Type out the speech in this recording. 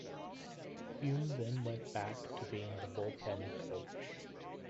Hume then went back to being the bullpen coach.